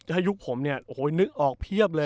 ถ้ายุคผมเนี่ยโอ้โหนึกออกเพียบเลย